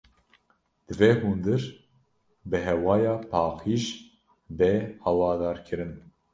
Divê hundir bi hewaya paqîj bê hawadarkirin